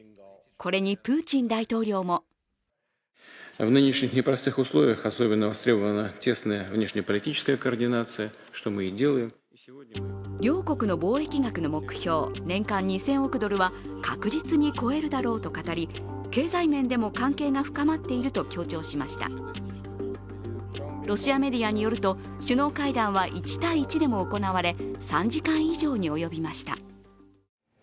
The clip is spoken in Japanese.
これにプーチン大統領も両国の貿易額の目標、年間２０００億ドルは確実に超えるだろうと語り経済面でも関係が深まっていると強調しましたロシアメディアによると、首脳会談は一対一でも行われ、３時間以上に及びました。